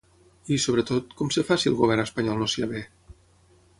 I, sobretot, com es fa si el govern espanyol no s’hi avé?